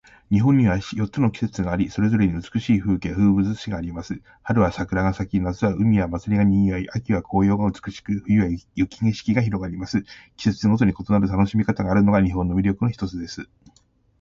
日本には四つの季節があり、それぞれに美しい風景や風物詩があります。春は桜が咲き、夏は海や祭りが賑わい、秋は紅葉が美しく、冬は雪景色が広がります。季節ごとに異なる楽しみ方があるのが、日本の魅力の一つです。